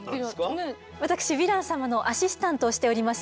私ヴィラン様のアシスタントをしております